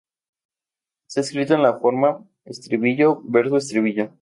Está escrita en la forma estribillo-verso-estribillo.